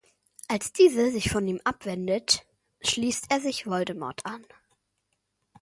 Als diese sich von ihm abwendet, schließt er sich Voldemort an.